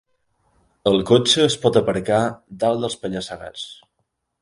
El cotxe es pot aparcar dalt dels penya-segats.